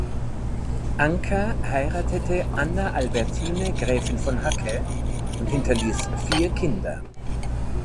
Anker heiratete "Anna Albertine Gräfin von Hacke" und hinterließ vier Kinder.